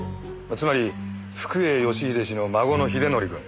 つまり福栄義英氏の孫の英則くん